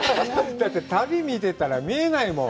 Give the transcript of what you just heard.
旅見てたら、見えないもん。